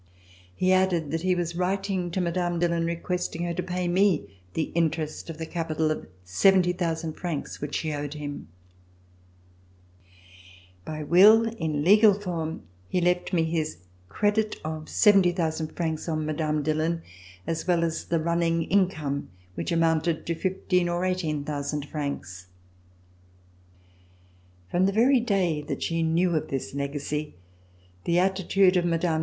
He added that he was writing to Mme. Dillon requesting her to pay me the interest of the capital of 70,000 francs which she owed him. By will, in legal form, he left me his credit of 70,000 francs on Mme. Dillon, as well as the running income which amounted to 1500 or 1800 francs. From the very day that she knew of this legacy the attitude of Mme.